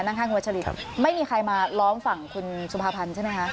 ข้างคุณวัชลินไม่มีใครมาร้องฝั่งคุณสุภาพันธ์ใช่ไหมคะ